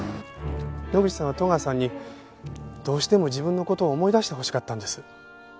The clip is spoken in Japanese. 野口さんは戸川さんにどうしても自分の事を思い出してほしかったんです。